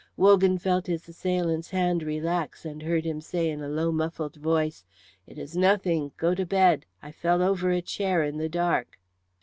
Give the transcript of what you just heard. Wogan felt his assailant's hand relax and heard him say in a low muffled voice, "It is nothing. Go to bed! I fell over a chair in the dark."